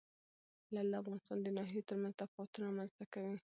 لعل د افغانستان د ناحیو ترمنځ تفاوتونه رامنځ ته کوي.